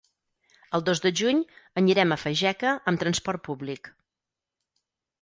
El dos de juny anirem a Fageca amb transport públic.